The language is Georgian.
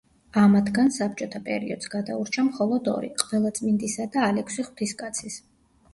ამათგან საბჭოთა პერიოდს გადაურჩა მხოლოდ ორი: ყველაწმინდისა და ალექსი ღვთისკაცის.